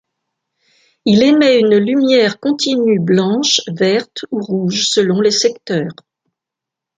Il émet une lumière continue blanche, verte ou rouge selon les secteurs.